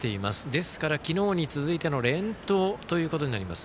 ですから昨日に続いての連投となります。